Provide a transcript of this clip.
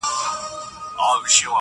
په یوه شان وه د دواړو معاسونه,